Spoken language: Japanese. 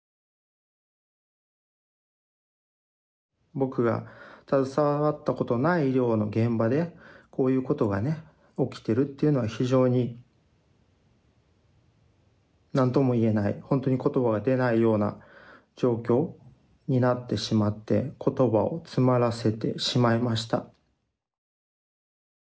僕が携わったことない医療の現場でこういうことがね起きてるっていうのは非常に何とも言えない本当に言葉が出ないような状況になってしまって言葉を詰まらせてしまいました。